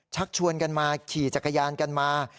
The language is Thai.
ชักชวนกันมาขี่จักรยานกันมา